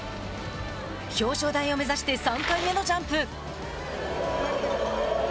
表彰台を目指して３回目のジャンプ。